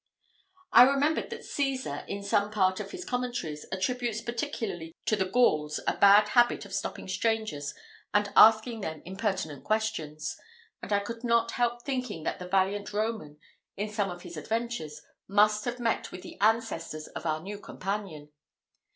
I remembered that Cæsar, in some part of his Commentaries, attributes particularly to the Gauls a bad habit of stopping strangers and asking them impertinent questions; and I could not help thinking that the valiant Roman, in some of his adventures, must have met with the ancestors of our new companion.